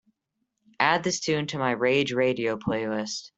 add this tune to my Rage Radio playlist